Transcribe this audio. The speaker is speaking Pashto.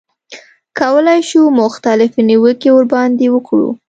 کولای شو مختلفې نیوکې ورباندې وکړو.